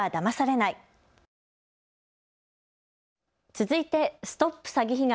続いてＳＴＯＰ詐欺被害！